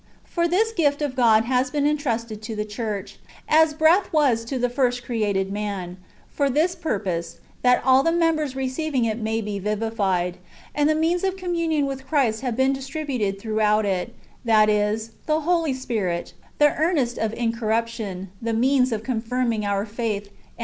For this gift of God has been entrusted to the church, as breath was to the first created man,^ for this purpose, that all the members receiving it may be vivified ; and the [means of] communion with Christ has been distributed throughout it, that is, the Holy Spirit, the earnest of incorruption, the means of confirming our faith, ^ Literally, " tliroiTgli the beginnings, the means, and the end."